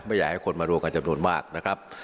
ไม่อยากให้คนมารวมกันจำนวนมากนะครับ